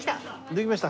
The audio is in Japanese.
できました？